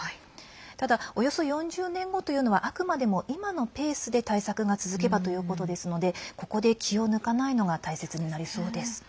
ただ、およそ４０年後というのはあくまでも今のペースで対策が続けばということですのでここで気を抜かないのが大切になりそうです。